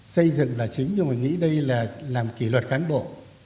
xây dựng là chính nhưng mà nghĩ đây là làm kỷ luật cán bộ